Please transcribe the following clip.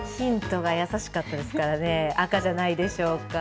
優しかったですからね赤じゃないでしょうか。